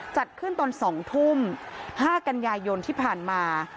จัดขึ้นตอน๒ทุ่ม๕กันยายนที่ผ่านมา